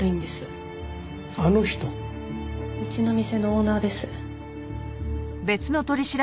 うちの店のオーナーです。